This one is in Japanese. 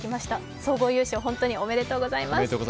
総合優勝、本当におめでとうございます。